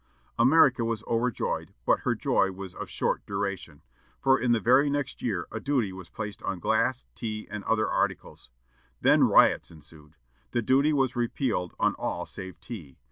America was overjoyed, but her joy was of short duration; for in the very next year a duty was placed on glass, tea, and other articles. Then riots ensued. The duty was repealed on all save tea.